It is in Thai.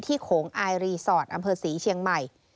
โขงอายรีสอร์ทอำเภอศรีเชียงใหม่